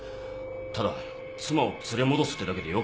ただ妻を連れ戻すってだけでよかったのに。